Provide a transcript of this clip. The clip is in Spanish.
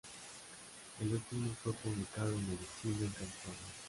El último fue publicado en el exilio en California.